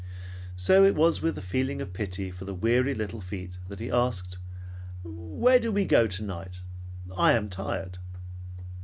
So it was with a feeling of pity for the weary little feet that he asked, "Where do we go tonight? I am tired."